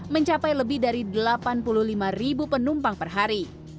mencapai lebih dari delapan puluh lima ribu penumpang per hari